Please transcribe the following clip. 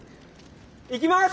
いきます！